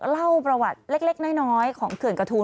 เล่าประวัติเล็กน้อยของเขื่อนกระทูล